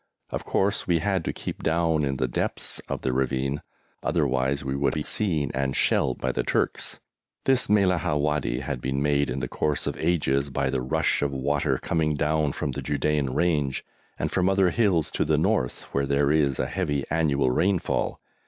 Of course we had to keep down in the depths of the ravine, otherwise we would be seen and shelled by the Turks. This Mellahah Wadi had been made in the course of ages by the rush of water coming down from the Judæan range and from other hills to the north where there is a heavy annual rainfall.